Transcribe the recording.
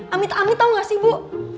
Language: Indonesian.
amit amit tau gak sih bu